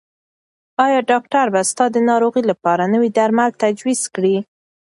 ایا ډاکټر به ستا د ناروغۍ لپاره نوي درمل تجویز کړي؟